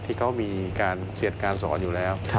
ที่เขามีการเสียดการสอนอยู่แล้ว